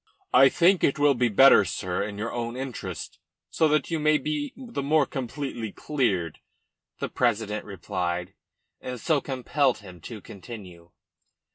"I think it will be better, sir, in your own interests, so that you may be the more completely cleared," the president replied, and so compelled him to continue.